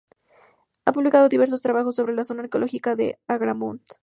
Ha publicado diversos trabajos sobre la zona arqueológica de Agramunt.